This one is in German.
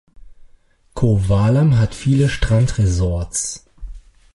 Kovalam hat viele Strandresorts.